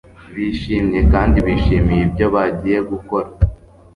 bishimye kandi bishimiye ibyo bagiye gukora.